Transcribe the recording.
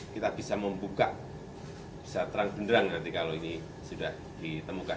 kita bisa membuka bisa terang benderang nanti kalau ini sudah ditemukan